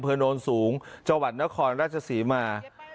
องค์เพอร์โน้นสูงจนครราชสีมา